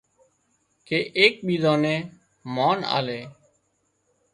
ڪي ايڪ ٻيزان نين مانَ آلي